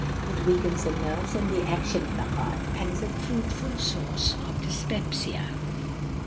It weakens the nerves and the action of the heart, and is a fruitful source of dyspepsia."